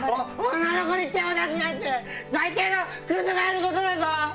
女の子に手を出すなんて、最低のくずがやることだぞ。